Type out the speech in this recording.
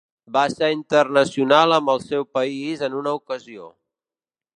Va ser internacional amb el seu país en una ocasió.